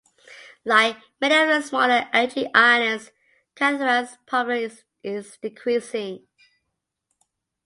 Like many of the smaller Aegean islands, Kythira's population is decreasing.